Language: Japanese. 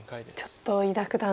ちょっと伊田九段。